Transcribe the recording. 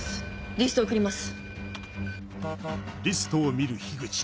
リスト送ります。